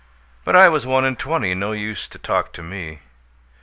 'But I was one and twenty, No use to talk to me.